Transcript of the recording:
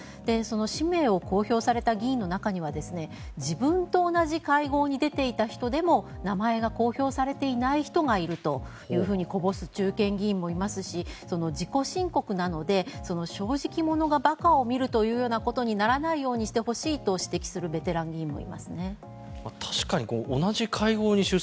氏名を公表された議員の中には自分と同じ会合に出ていた人でも名前が公表されていない人がいるというふうにこぼす中堅議員もいますし自己申告なので正直者が馬鹿を見るということにならないようにしてほしいと指摘するベテラン議員もいます。